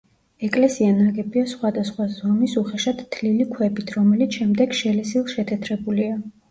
ეკლესია ნაგებია სხვადასხვა ზომის უხეშად თლილი ქვებით, რომელიც შემდეგ შელესილ-შეთეთრებულია.